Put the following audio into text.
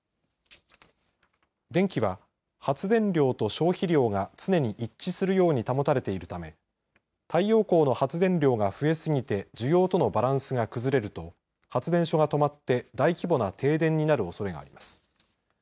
電気は発電量と消費量が常に一致するように保たれているため太陽光の発電量が増えすぎて需要とのバランスが崩れると発電所が止まって大規模な停電になるおそれがあります。